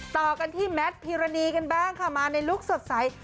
ต่อกันที่แมทพิรณีกันบ้างค่ะมาในลุคสดใส